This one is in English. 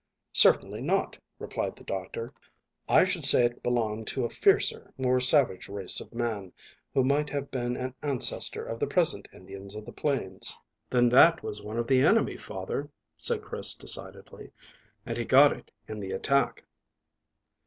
"Certainly not," replied the doctor. "I should say it belonged to a fiercer, more savage race of man, who might have been an ancestor of the present Indians of the plains." "Then that was one of the enemy, father," said Chris decidedly, "and he got it in the attack."